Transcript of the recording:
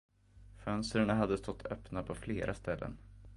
Fönsterna hade stått öppna på flera ställen.